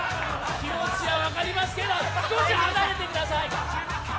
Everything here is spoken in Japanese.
気持ちは分かりますけど、少し離れてください。